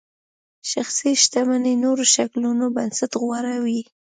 شخصي شتمنۍ نورو شکلونو نسبت غوره وي.